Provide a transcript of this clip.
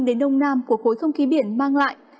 đến đông nam của khối không khí biển mang lại